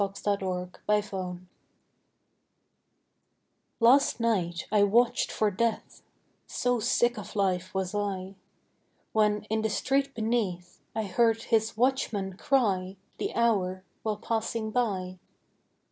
TIME AND DEATH AND LOVE Last night I watched for Death So sick of life was I! When, in the street beneath, I heard his watchman cry The hour, while passing by.